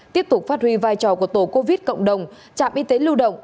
tiếp tục phát huy vai trò của tổ covid cộng đồng trạm y tế lưu động